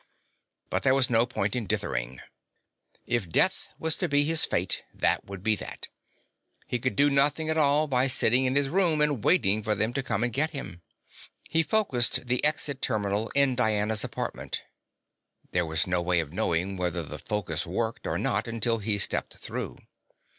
But there was no point in dithering. If death was to be his fate, that would be that. He could do nothing at all by sitting in his room and waiting for them to come and get him. He focused the exit terminal in Diana's apartment. There was no way of knowing whether the focus worked or not until he stepped through.